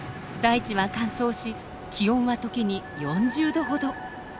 大地は乾燥し気温は時に４０度ほど。